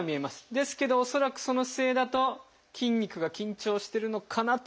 ですけど恐らくその姿勢だと筋肉が緊張してるのかなと思いますがいかがですか？